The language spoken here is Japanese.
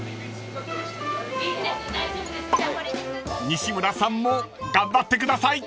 ［西村さんも頑張ってください］